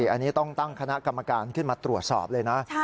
อันนี้ต้องตั้งคณะกรรมการขึ้นมาตรวจสอบเลยนะ